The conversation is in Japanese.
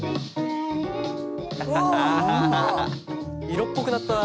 色っぽくなったな。